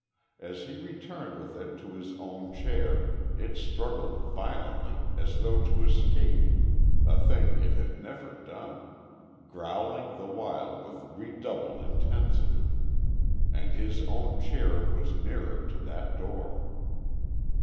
As he returned with it to his own chair it struggled violently as though to escape a thing it had never done growling the while with redoubled intensity. And his own chair was nearer to that door.